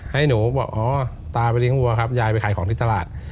ให้หนูบอกอ๋อตาไปเลี้ยวัวครับยายไปขายของที่ตลาด